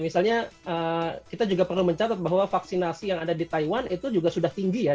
misalnya kita juga perlu mencatat bahwa vaksinasi yang ada di taiwan itu juga sudah tinggi ya